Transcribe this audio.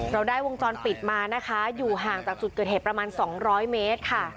เราได้วงจรปิดมานะคะอยู่ห่างจากจุดเกิดเหตุประมาณ๒๐๐เมตรค่ะ